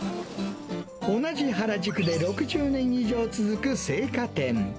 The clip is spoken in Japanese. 同じ原宿で６０年以上続く青果店。